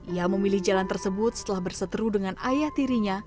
ia memilih jalan tersebut setelah berseteru dengan ayah tirinya